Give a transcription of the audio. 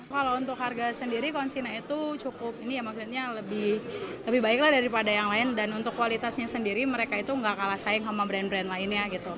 kalau untuk harga sendiri konsina itu cukup ini ya maksudnya lebih baik lah daripada yang lain dan untuk kualitasnya sendiri mereka itu nggak kalah saing sama brand brand lainnya gitu